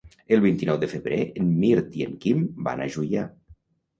El vint-i-nou de febrer en Mirt i en Quim van a Juià.